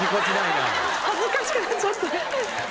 恥ずかしくなっちゃって。